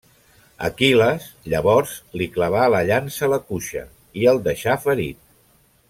Aquil·les, llavors, li clavà la llança a la cuixa i el deixà ferit.